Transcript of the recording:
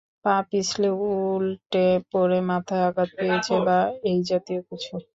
পা পিছলে উন্টে পড়ে মাথায় আঘাত পেয়েছে বা এইজাতীয় কিছু।